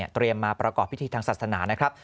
มาประกอบพิธีทางศาสนานะครับ